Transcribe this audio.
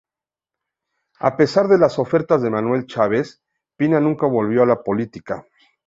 A pesar de las ofertas de Manuel Chaves, Pina nunca volvió a la política.